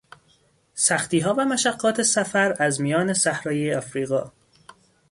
سختیها و مشقات سفر از میان صحرای افریقا